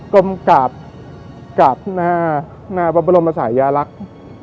กลมกราบหน้าบำรมศัยยาลักษณ์